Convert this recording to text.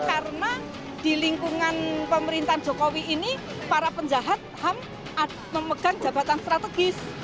karena di lingkungan pemerintahan jokowi ini para penjahat ham memegang jabatan strategis